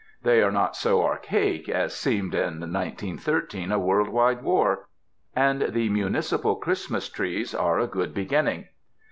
They are not so archaic as seemed in nineteen thirteen a world wide war. And the municipal Christmas trees are a good beginning.